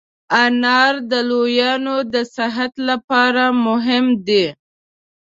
انار د لویانو د صحت لپاره مهم دی.